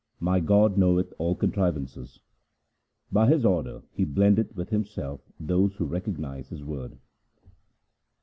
My God knoweth all contrivances ; By His order He blendeth with Himself those who recog nize His word.